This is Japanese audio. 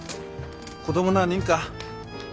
子供何人か？